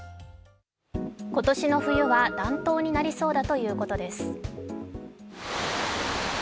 今年の冬は暖冬になりそうだということです。